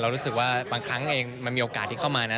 รู้สึกว่าบางครั้งเองมันมีโอกาสที่เข้ามานะ